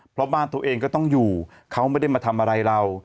เพราะบ้านตัวเองก็ต้องอยู่เขาไม่ได้มาทำอะไรเรา